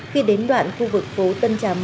khi đến đoạn khu vực phố tân trà một